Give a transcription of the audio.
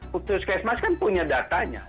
puskesmas kan punya datanya